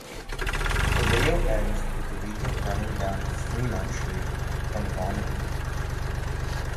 The video ends with the Weeknd running down Fremont Street and vomiting.